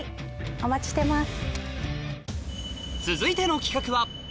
お待ちしてます。